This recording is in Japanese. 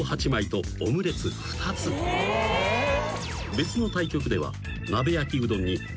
［別の対局では］